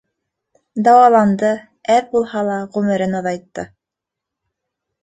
Дауаланды, әҙ булһа ла ғүмерен оҙайтты.